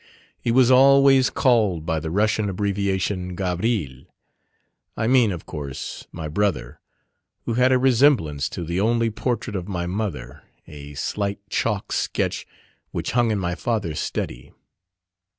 He was always called by the Russian abbreviation Gavril I mean, of course, my brother, who had a resemblance to the only portrait of my mother, a slight chalk sketch which hung in my father's study.